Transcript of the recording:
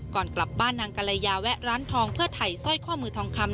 ก่อนกลับบ้านนางกรยาแวะร้านทองเพื่อถ่ายสร้อยข้อมือทองคำ